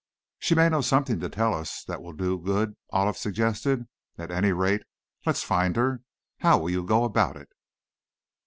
"But she may know something to tell us that will do good," Olive suggested; "at any rate, let's find her. How will you go about it?"